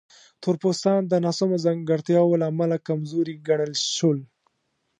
تور پوستان د ناسمو ځانګړتیاوو له امله کمزوري ګڼل شول.